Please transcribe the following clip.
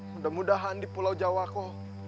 mudah mudahan di pulau jawa kau